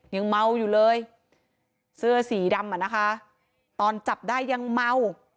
ยังเมาอยู่เลยเสื้อสีดำอ่ะนะคะตอนจับได้ยังเมา